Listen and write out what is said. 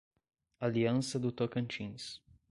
Aliança do Tocantins